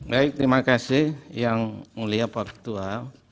baik terima kasih yang mulia pak ketua